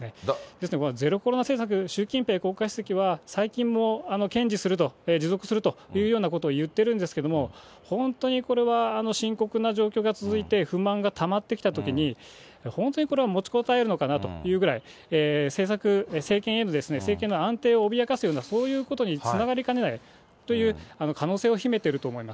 ですので、ゼロコロナ政策、習近平国家主席は最近も堅持すると、持続するというようなことを言ってるんですけれども、本当にこれは深刻な状況が続いて、不満がたまってきたときに、本当にこれはもちこたえるのかなというぐらい、政策、政権への安定を脅かすような、そういうことにつながりかねないという可能性を秘めていると思い